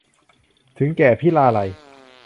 ถึงแก่พิราลัย